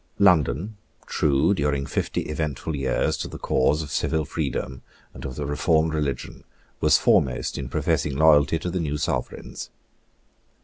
London, true during fifty eventful years to the cause of civil freedom and of the reformed religion, was foremost in professing loyalty to the new Sovereigns.